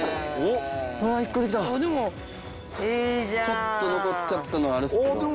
ちょっと残っちゃったのはあれですけど。